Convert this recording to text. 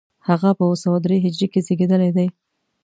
هغه په اوه سوه درې هجري کې زېږېدلی دی.